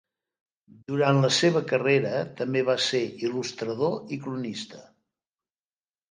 Durant la seva carrera, també va ser il·lustrador i cronista.